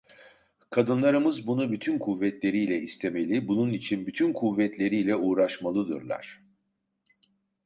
Kadınlarımız bunu bütün kuvvetleriyle istemeli, bunun için bütün kuvvetleriyle uğraşmalıdırlar.